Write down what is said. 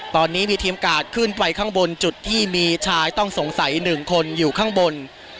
ตอนนี้มีทีมกาดขึ้นไปข้างบนจุดที่มีชายต้องสงสัย๑คนอยู่ข้างบน